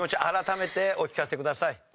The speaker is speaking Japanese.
改めてお聞かせください。